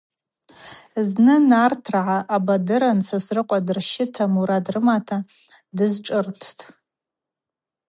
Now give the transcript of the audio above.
Зны нартыргӏа абадырын Сосрыкъва дырщра мурад рымата дызшӏырттӏ.